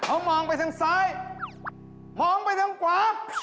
เขามองไปทางซ้ายมองไปทางขวา